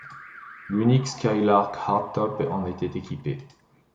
L'unique Skylark hardtop en était équipée.